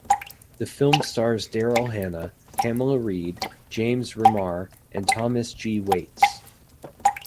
The film stars Daryl Hannah, Pamela Reed, James Remar, and Thomas G. Waites.